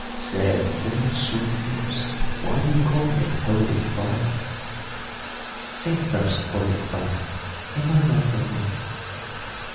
"Say, little sweet lips, why do you call me holy friar?" "Say first, holy friar, am I like the moon?"